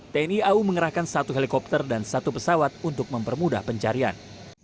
tni au mengerahkan satu helikopter dan satu pesawat untuk mempermudah pencarian